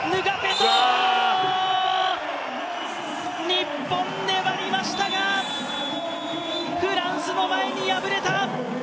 日本、粘りましたが、フランスの前に敗れた！